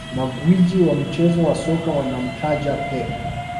Magwiji wa mchezo wa soka wanamtaja Pep